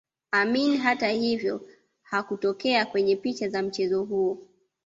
Amin hatahivyo hakutokea kwenye picha za mchezo huo